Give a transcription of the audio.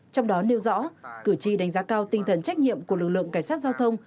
trong đó nêu rõ cử tri đánh giá cao tinh thần trách nhiệm của lực lượng cảnh sát giao thông